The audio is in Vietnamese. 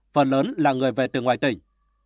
phần lớn là người về từ ngoài tỉnh